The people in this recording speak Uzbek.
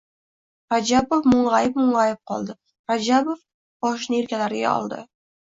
Rajabov mung‘ayib-mung‘ayib qoldi. Rajabov boshini yelkalari ichiga oldi.